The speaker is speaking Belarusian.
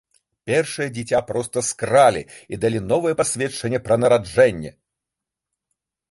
Першае дзіця проста скралі і далі новае пасведчанне пра нараджэнне.